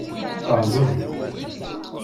Rrzem